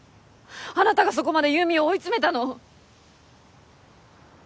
あなたがそこまで優美を追い詰めたの。